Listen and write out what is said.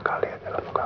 saya selalu berdoa